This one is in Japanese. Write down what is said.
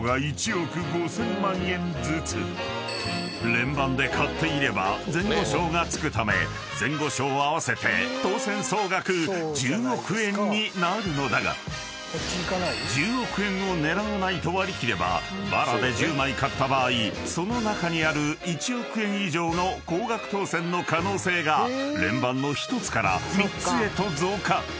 ［連番で買っていれば前後賞が付くため前後賞合わせて当せん総額１０億円になるのだが１０億円を狙わないと割り切ればバラで１０枚買った場合その中にある１億円以上の高額当せんの可能性が連番の１つから３つへと増加］